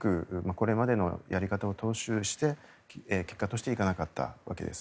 これまでのやり方を踏襲して結果として行かなかったわけです。